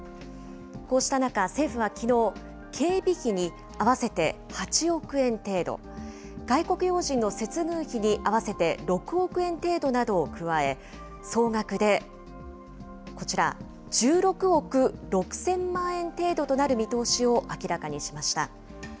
こうした中、政府はきのう、警備費に合わせて８億円程度、外国要人の接遇費に合わせて６億円程度などを加え、総額でこちら、１６億６０００万円程度となる見通しを明らかにしました。